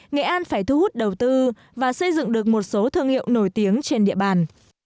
nghệ an phải thu hút đầu tư và xây dựng được một số thương hiệu nổi tiếng trên địa bàn